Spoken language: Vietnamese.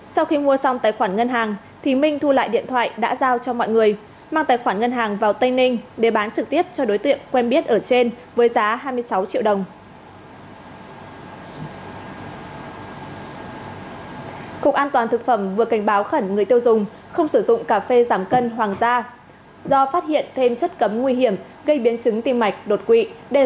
các cục an toàn thực phẩm viện kiểm nghiệm an toàn vệ sinh thực phẩm quốc gia